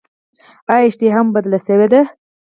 ایا اشتها مو بدله شوې ده؟